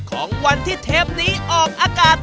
ของวันที่เทปนี้ออกอากาศ